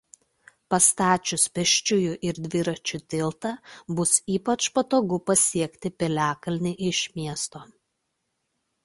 Pastačius pėsčiųjų ir dviračių tiltą bus ypač patogu pasiekti piliakalnį iš miesto.